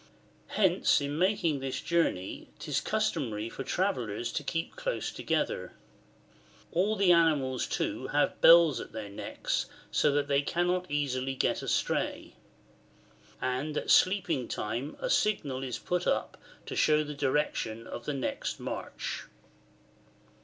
[Hence in making this journey 'tis customary for travellers to keep close together. All the animals too have bells at their necks, so that they cannot easily get astray. And at sleeping time a signal is put up to show the direction of the next march.